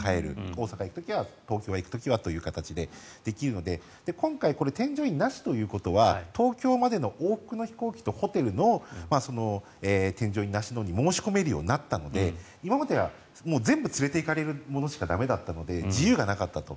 大阪に行く時は、東京に行く時はという形でできるので今回、添乗員なしということは東京までの往復の飛行機とホテルの添乗員なしのに申し込めるようになったので今までは全部連れていかれるものしか駄目だったので自由がなかったと。